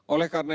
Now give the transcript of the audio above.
oleh karena itu